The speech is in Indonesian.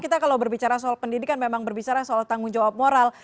kita kalau berbicara soal pendidikan memang berbicara soal tanggung jawab moral